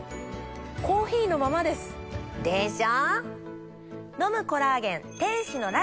コーヒーのままです。でしょ？